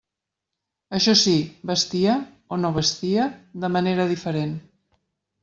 Això sí, vestia —o no vestia?— de manera diferent.